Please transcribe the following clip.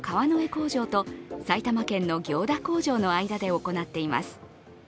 工場と埼玉県の行田工場の間で行っています。